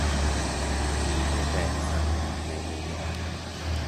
มีผู้แปลเป็นภาษาอังกฤษในนิวยอร์ค